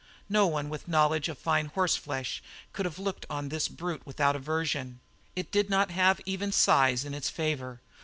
No one with a knowledge of fine horse flesh could have looked on this brute without aversion. It did not have even size in its favour.